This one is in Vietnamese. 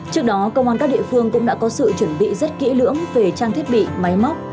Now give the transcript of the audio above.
trước đó công an các địa phương cũng đã có sự chuẩn bị rất kỹ lưỡng về trang thiết bị máy móc